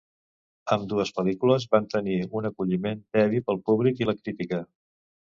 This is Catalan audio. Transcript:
Ambdues pel·lícules van tenir un acolliment tebi pel públic i la crítica.